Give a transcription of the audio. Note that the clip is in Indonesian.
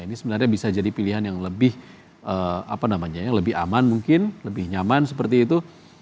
ini sebenarnya bisa jadi pilihan yang lebih aman mungkin lebih nyaman seperti itu